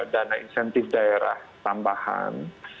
dana insentif daerah tambahan